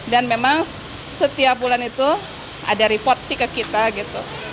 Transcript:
dan memang setiap bulan itu ada report sih ke kita gitu